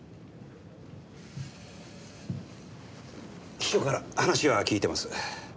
秘書から話は聞いてます。